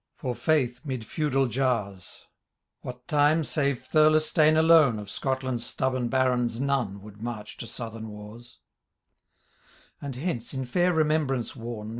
For faith 'mid feudal jars ; What time, save Thirlestane alone. Of Scotland's stubborn barons none Would march to southern wars ; And hence, in fair remembrance worn.